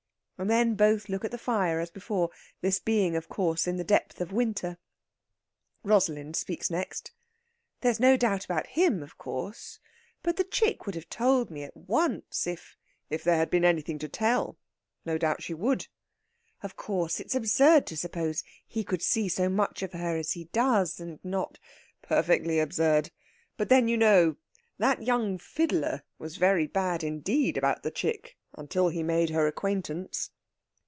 And then both look at the fire as before, this being, of course, in the depth of winter. Rosalind speaks next. "There's no doubt about him, of course! But the chick would have told me at once if...." "If there had been anything to tell. No doubt she would." "Of course, it's absurd to suppose he could see so much of her as he does, and not...." "Perfectly absurd! But then, you know, that young fiddler was very bad, indeed, about the chick until he made her acquaintance."